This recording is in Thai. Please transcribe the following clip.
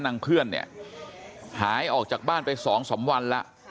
นางเพื่อนเนี่ยหายออกจากบ้านไป๒๓วันแล้ว